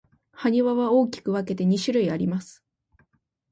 埴輪は大きく分けて二種類あります。